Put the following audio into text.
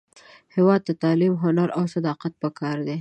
هیواد ته تعلیم، هنر، او صداقت پکار دی